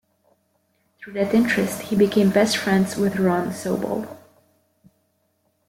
Through that interest, he became best friends with Ron Sobol.